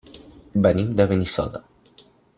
Venim de Benissoda.